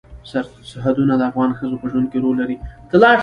سرحدونه د افغان ښځو په ژوند کې رول لري.